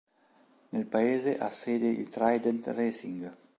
Nel paese ha sede il Trident Racing.